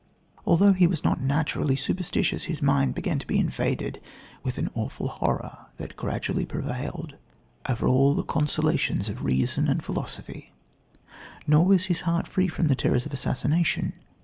Although he was not naturally superstitious, his mind began to be invaded with an awful horror that gradually prevailed over all the consolations of reason and philosophy; nor was his heart free from the terrors of assassination.